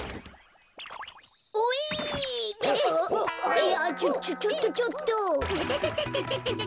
いやあちょっちょっとちょっと。